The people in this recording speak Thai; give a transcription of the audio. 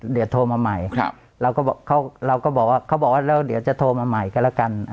เดี๋ยวโทรมาใหม่เราก็บอกว่าเดี๋ยวจะโทรมาใหม่กันแล้วกัน